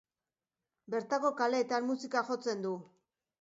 Bertako kaleetan musika jotzen du.